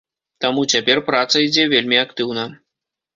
Таму цяпер праца ідзе вельмі актыўна.